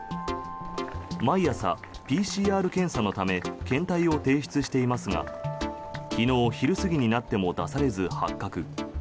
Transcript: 毎朝、ＰＣＲ検査のため検体を提出していますが昨日昼過ぎになっても出されず発覚。